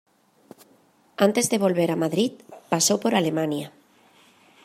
Antes de volver a Madrid, pasó por Alemania.